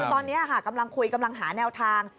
คือตอนนี้กำลังคุยกำลังหาแนวทาง